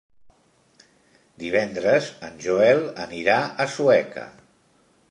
Divendres en Joel anirà a Sueca.